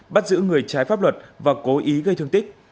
bắt giữ người trái pháp luật và cố ý gây thương tích